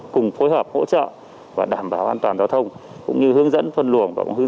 cùng phối hợp hỗ trợ và đảm bảo an toàn giao thông cũng như hướng dẫn phân luồng hư